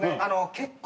結構！？